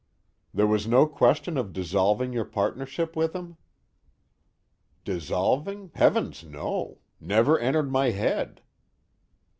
"There was no question of dissolving your partnership with him?" "Dissolving heavens no! Never entered my head."